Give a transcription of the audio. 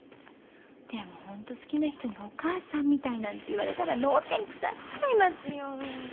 でもホント好きな人に「お母さんみたい」なんて言われたら脳天腐っちゃいますよ。